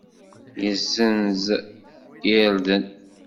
Yezzenz irden.